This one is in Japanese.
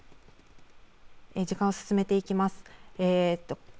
時間を進めていきます。